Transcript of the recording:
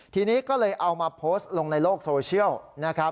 ทีนี้ก็เลยเอามาโพสต์ลงในโลกโซเชียลนะครับ